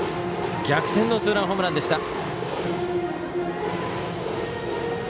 逆転のツーランホームランでした。